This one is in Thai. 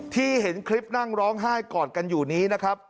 เห็นคลิปนั่งร้องไห้กอดกันอยู่นี้นะครับ